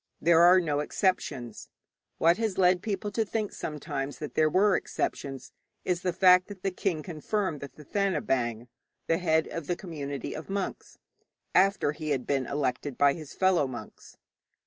There are no exceptions. What has led people to think sometimes that there were exceptions is the fact that the king confirmed the Thathanabaing the head of the community of monks after he had been elected by his fellow monks.